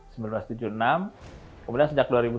kemudian sejak dua ribu sepuluh